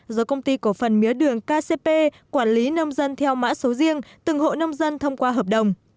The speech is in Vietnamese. do công ty cổ phần mía đường kcp quản lý nông dân theo mã số riêng từng hộ nông dân thông qua hợp đồng